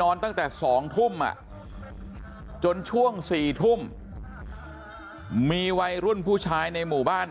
นอนตั้งแต่๒ทุ่มจนช่วง๔ทุ่มมีวัยรุ่นผู้ชายในหมู่บ้าน